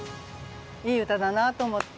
いい歌だなと思って。